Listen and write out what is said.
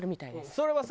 それはさ